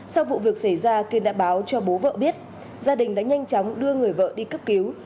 sau vụ việc xảy ra kiên đã báo cho bố vợ biết gia đình đã nhanh chóng đưa người vợ đi cấp cứu